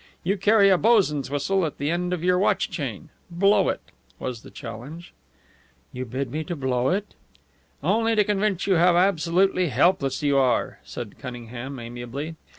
You carry a boson's whistle at the end of your watch chain. Blow it!" was the challenge. "You bid me blow it?" "Only to convince you how absolutely helpless you are," said Cunningham, amiably.